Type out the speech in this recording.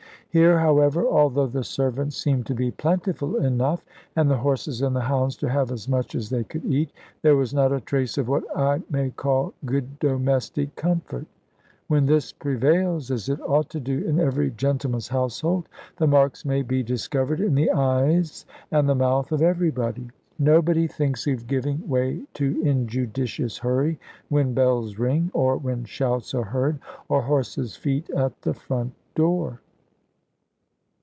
Here, however, although the servants seemed to be plentiful enough, and the horses and the hounds to have as much as they could eat, there was not a trace of what I may call good domestic comfort. When this prevails, as it ought to do in every gentleman's household, the marks may be discovered in the eyes and the mouth of everybody. Nobody thinks of giving way to injudicious hurry when bells ring, or when shouts are heard, or horses' feet at the front door.